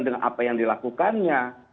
dengan apa yang dilakukannya